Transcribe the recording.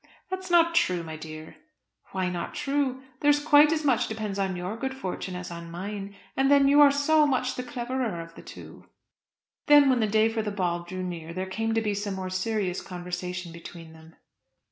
"That's not true, my dear." "Why not true? There is quite as much depends on your good fortune as on mine. And then you are so much the cleverer of the two." Then when the day for the ball drew near, there came to be some more serious conversation between them.